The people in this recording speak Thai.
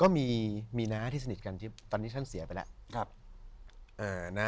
ก็มีน้าที่สนิทกันที่ตอนนี้ท่านเสียไปแล้ว